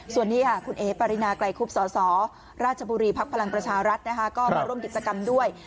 ส่วนนี้ค่ะคุณเอ๋ปรินาไกลคุบสสราชบุรีภักดิ์พลังประชารัฐก็มาร่วมกิจกรรมด้วย